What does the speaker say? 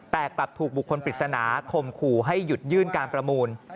แต่กลับถูกบุคคลปริศนาคมขู่ให้หยุดยื่นการประมูล